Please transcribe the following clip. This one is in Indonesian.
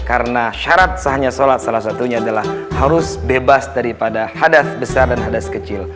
karena syarat sahnya sholat salah satunya adalah harus bebas daripada hadas besar dan hadas kecil